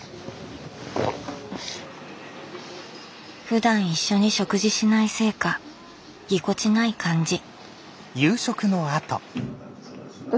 ふだん一緒に食事しないせいかぎこちない感じ。